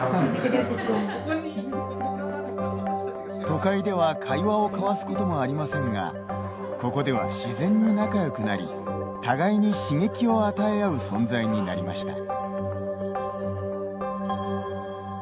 都会では会話を交わすこともありませんがここでは自然に仲良くなり互いに刺激を与えあう存在になりました。